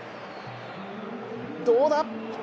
どうだ？